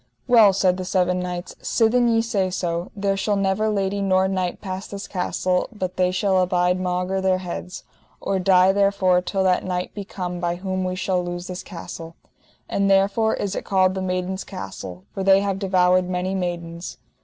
Well, said the seven knights, sithen ye say so, there shall never lady nor knight pass this castle but they shall abide maugre their heads, or die therefore, till that knight be come by whom we shall lose this castle. And therefore is it called the Maidens' Castle, for they have devoured many maidens.